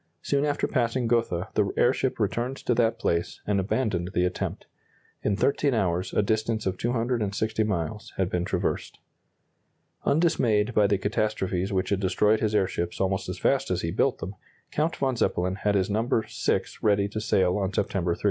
Soon after passing Gotha the airship returned to that place, and abandoned the attempt. In 13 hours a distance of 260 miles had been traversed. Undismayed by the catastrophes which had destroyed his airships almost as fast as he built them, Count von Zeppelin had his number VI ready to sail on September 3.